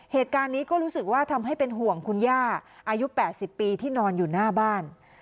เหตุการณ์นี้ก็รู้สึกว่าทำให้เป็นห่วงคุณย่าอายุ๘๐ปีที่นอนอยู่หน้าบ้าน